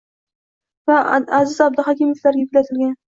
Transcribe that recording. va Aziz Abduhakimovlarga yuklatilgan.